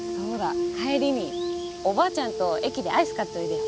帰りにおばあちゃんと駅でアイス買っといでよ。